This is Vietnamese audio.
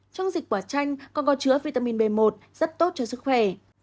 trong dịch quả chanh còn có chứa vitamin b một rất tốt cho sức khỏe